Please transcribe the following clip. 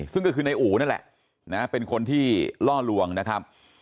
ซึ่งก็คือนายอู๋นั่นแหละนะเป็นคนที่ล่อลวงนะครับ